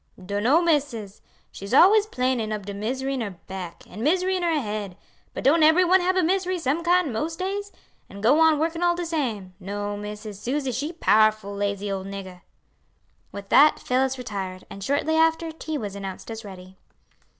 "Dunno, missus; she's always 'plaining ob de misery in her back, an' misery in her head; but don't ebery one hab a misery, some kind, most days? an' go on workin' all de same. No, missus, Suse she powerful lazy ole nigga." With that Phillis retired, and shortly after, tea was announced as ready.